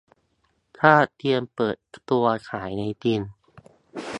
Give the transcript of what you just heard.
คาดเตรียมเปิดตัวขายในจีน